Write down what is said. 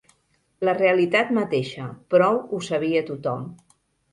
La realitat mateixa, prou ho sabia tothom.